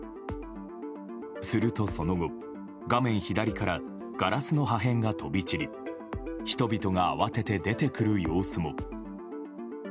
すると、その後、画面左からガラスの破片が飛び散り人々が慌てて出てくる様子も。